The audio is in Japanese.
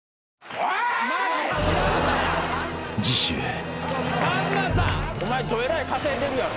お前どえらい稼いでるやろ。